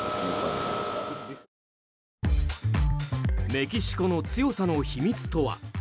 メキシコの強さの秘密とは？